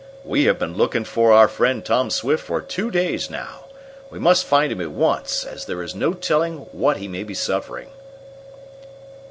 "We have been looking for our friend Tom Swift for two days now. We must find him at once, as there is no telling what he may be suffering."